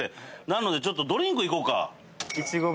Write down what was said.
なのでちょっとドリンクいこうか。